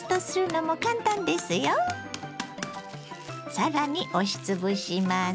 更に押しつぶします。